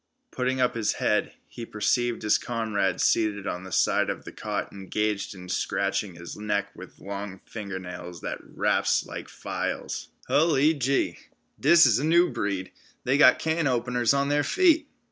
Putting up his head, he perceived his comrade seated on the side of the cot engaged in scratching his neck with long finger nails that rasped like files. "Hully Jee, dis is a new breed. They've got can openers on their feet."